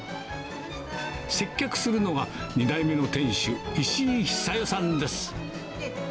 接客するのは、２代目の店主、石井寿代さんです。